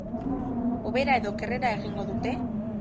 Hobera edo okerrera egingo dute?